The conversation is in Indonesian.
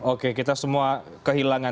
oke kita semua kehilangan